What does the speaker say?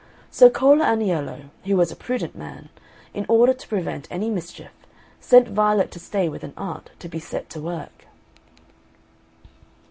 So Cola Aniello, who was a prudent man, in order to prevent any mischief, sent Violet to stay with an aunt, to be set to work.